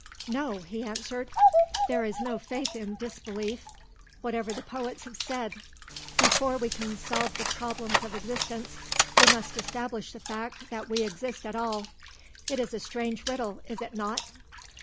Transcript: "No," he answered, "there is no faith in disbelief, whatever the poets have said. Before we can solve the problems of existence we must establish the fact that we exist at all. It is a strange riddle, is it not?"